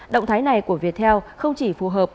động thái này của viettel không chỉ phù hợp